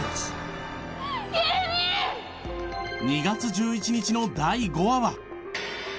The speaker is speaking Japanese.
２月１１日の第５話は。